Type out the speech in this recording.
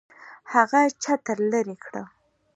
هغه چتر لري کړو.